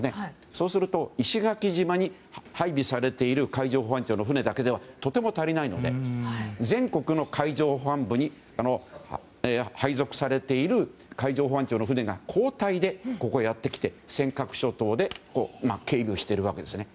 そうすると石垣島に配備されている海上保安庁の船だけではとても足りないので全国の海上保安部に配属されている海上保安庁の船が交代でここへやってきて尖閣諸島で警備をしているわけですね。